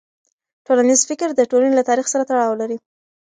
ټولنیز فکر د ټولنې له تاریخ سره تړاو لري.